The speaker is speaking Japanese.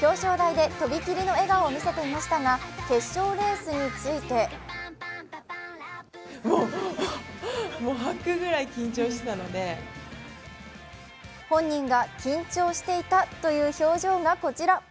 表彰台でとびきりの笑顔を見せていましたが、決勝レースについて本人が緊張していたという表情がこちら。